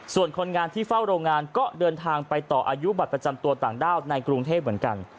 ส่วนคนงานที่เฝ้าโรงงานก็เดินทางไปต่ออายุบัตรประจำตัวต่างด้าวในกรุงเทพเหมือนกัน